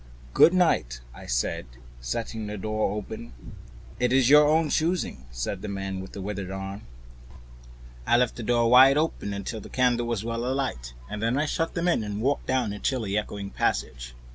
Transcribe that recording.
"Good night," I said, setting the door open. "It's your own choosing," said the man with the withered arm. I left the door wide open until the candle was well alight, and then I shut them in, and walked down the chilly, echoing passage.